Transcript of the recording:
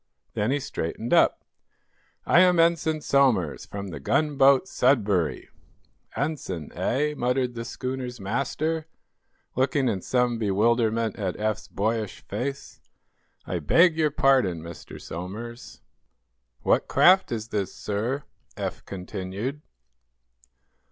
Then he straightened up. "I am Ensign Somers, from the gunboat 'Sudbury.'" "Ensign, eh?" muttered the schooner's master, looking in some bewilderment at Eph's boyish face. "I beg your pardon, Mr. Somers." "What craft is this, sir?" Eph continued.